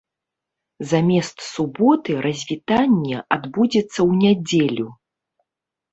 Замест суботы развітанне адбудзецца ў нядзелю.